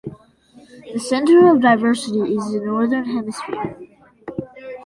The center of diversity is the Northern Hemisphere.